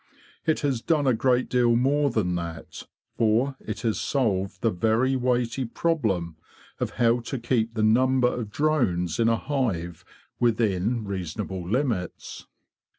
It has done a great deal more than that, for it has solved the very weighty problem of how to keep the number of drones in a hive within reasonable limits."